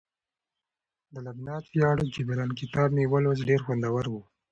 د لبنان ویاړ جبران کتاب مې ولوست ډیر خوندور وو